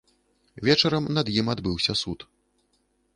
Вечарам над ім адбыўся суд.